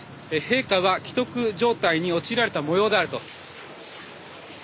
陛下は危篤状態に陥られたもようであると。